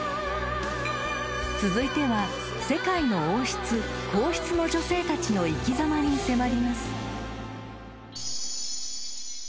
［続いては世界の王室皇室の女性たちの生き様に迫ります］